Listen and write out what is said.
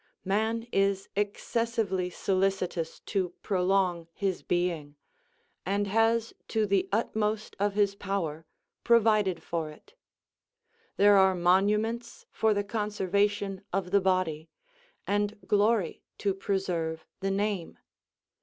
Man is excessively solicitous to prolong his being, and has to the utmost of his power provided for it; there are monuments for the conservation of the body, and glory to preserve the name.